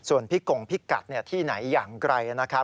ส่วนพี่กงพี่กัดที่ไหนอย่างไกลฮะ